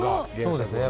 そうですね